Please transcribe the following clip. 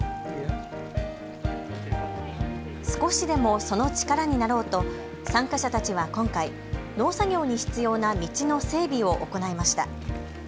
少しでもその力になろうと参加者たちは今回、農作業に必要な道の整備を行いました。